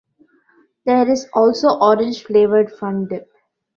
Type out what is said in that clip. There is also orange flavored Fun Dip.